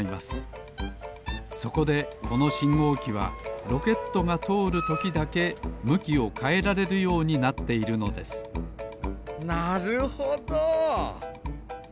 そこでこのしんごうきはロケットがとおるときだけむきをかえられるようになっているのですなるほど！